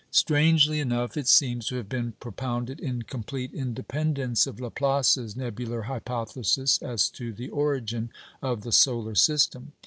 Strangely enough, it seems to have been propounded in complete independence of Laplace's nebular hypothesis as to the origin of the solar system.